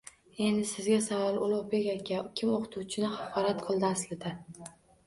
Endi sizga savol, Ulug'bek aka: Kim o'qituvchini haqorat qildi, aslida?!